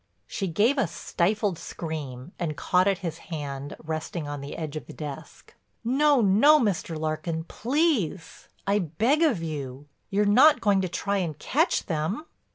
She gave a stifled scream and caught at his hand, resting on the edge of the desk: "No, no, Mr. Larkin, please, I beg of you. You're not going to try and catch them."